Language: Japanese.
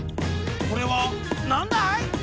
これはなんだい？